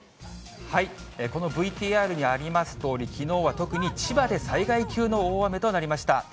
このＶＴＲにありますとおり、きのうは特に千葉で災害級の大雨となりました。